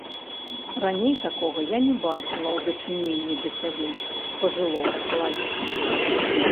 Раней такога я не бачыла ў дачыненні да сябе, пажылога чалавека.